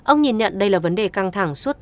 ông nhìn nhận đây là vấn đề căng thẳng suốt